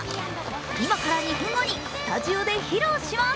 今から２分後にスタジオで披露します。